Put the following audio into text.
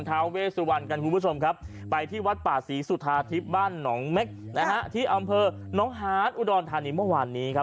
อ๋อเหรอคะอ๋อค่ะแล้วก็จับกันเป็นตัวเลข